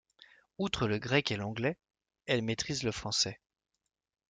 Outre le grec et l'anglais, elle maîtrise le français.